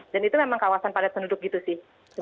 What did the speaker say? dan itu memang kawasan padat penduduk gitu sih